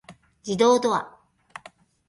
自動ドア